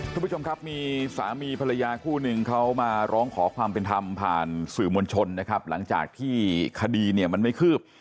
คุณผู้ชมครับมีสามีภรรยาคู่หนึ่งเขามาร้องขอความเป็นธรรมผ่านสื่อมวลชนนะครับหลังจากที่คดีเนี่ยมันไม่คืบ